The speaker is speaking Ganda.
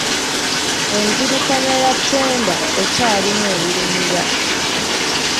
Enzirukanya ya ttenda ekyalimu ebirumira.